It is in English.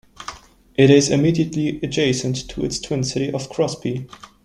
It is immediately adjacent to its twin city of Crosby.